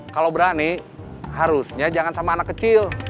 kalau berani harusnya jangan sama anak kecil